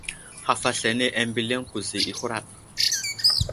Haf aslane ambeliŋ kuza i huraɗ.